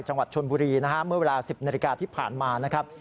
จังหวัดชนบุรีนะฮะเมื่อเวลา๑๐นาฬิกาที่ผ่านมานะครับ